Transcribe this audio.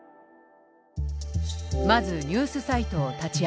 まずニュースサイトを立ち上げる。